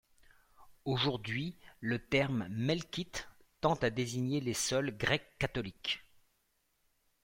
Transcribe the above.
Aujourd'hui le terme melkite tend à désigner les seuls grecs-catholiques.